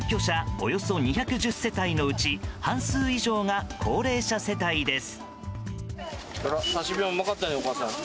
およそ２１０世帯のうち半数以上が高齢者世帯です。